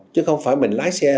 chứ không phải mình lái xe